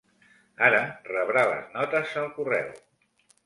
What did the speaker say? Ara rebrà les notes al correu.